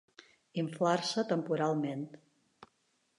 Inflar-se temporalment.